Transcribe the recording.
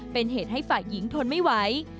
เป็นเหตุให้ฝ่ายหญิงทนไม่ไหว